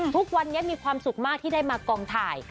ทุกวันนี้มีความสุขมากที่ได้มากองถ่าย